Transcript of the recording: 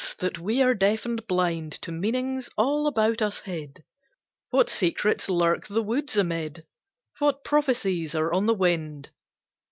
that we are deaf and blind To meanings all about us hid! What secrets lurk the woods amid? What prophecies are on the wind?